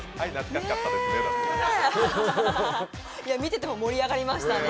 見てても盛り上がりましたね。